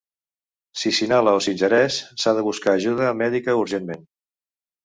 Si s'inhala o s'ingereix s'ha de buscar ajuda mèdica urgentment.